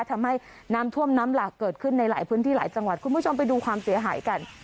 ทำให้น้ำท่วมน้ำหลากเกิดขึ้นในหลายพื้นที่หลายจังหวัดคุณผู้ชมไปดูความเสียหายกัน